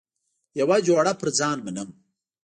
یوه جوړه پر ځان منم.